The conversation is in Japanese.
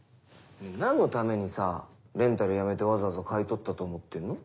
何のためにさレンタルやめてわざわざ買い取ったと思ってんの。